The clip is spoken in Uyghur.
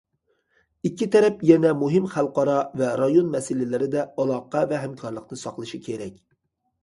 ئىككى تەرەپ يەنە مۇھىم خەلقئارا ۋە رايون مەسىلىلىرىدە ئالاقە ۋە ھەمكارلىقنى ساقلىشى كېرەك.